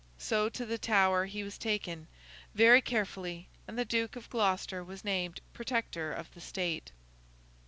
So, to the Tower he was taken, very carefully, and the Duke of Gloucester was named Protector of the State.